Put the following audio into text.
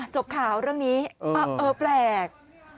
จบข่าวเรื่องนี้เออแปลก